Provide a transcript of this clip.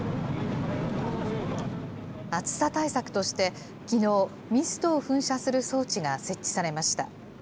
暑さ対策として、きのう、ミストを噴射する装置が設置されました。